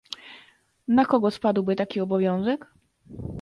Na kogo spadłby taki obowiązek?